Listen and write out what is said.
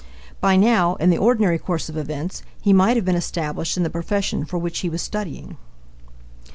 By now, in the ordinary course of events, he might have been established in the profession for which he was studying.